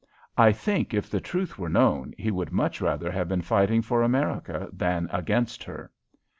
I think if the truth were known he would much rather have been fighting for America than against her.